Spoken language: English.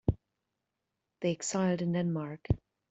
They exiled in Denmark.